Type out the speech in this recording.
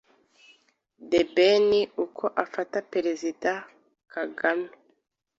The Ben uko afata Perezida Kagame